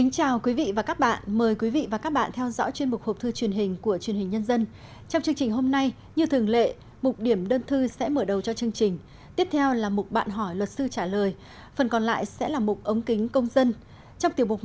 chào mừng quý vị đến với bộ phim hãy nhớ like share và đăng ký kênh của chúng mình nhé